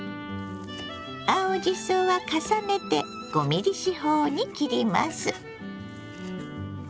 青じそは重ねて５ｍｍ四方に切ります。